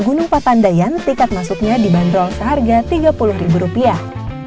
gunung patandayan tiket masuknya dibanderol seharga tiga puluh ribu rupiah